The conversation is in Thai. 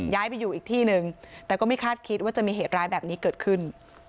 ย้ายไปอยู่อีกที่หนึ่งแต่ก็ไม่คาดคิดว่าจะมีเหตุร้ายแบบนี้เกิดขึ้น